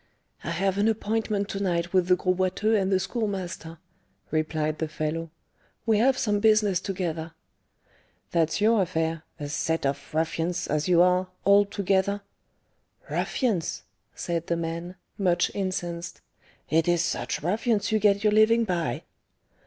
"I have an appointment to night with the Gros Boiteux and the Schoolmaster," replied the fellow; "we have some business together." "That's your affair, a set of ruffians, as you are, altogether." "Ruffians!" said the man, much incensed; "it is such ruffians you get your living by."